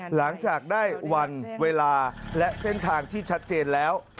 หลังจากได้วันเวลาและเส้นทางที่ชัดเจนแล้ว